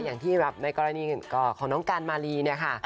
อย่างที่แบบในกรณีของน้องการมาลีเนี่ยค่ะ